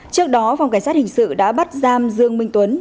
trước đó phòng cảnh sát hình sự đã bắt giam dương minh tuấn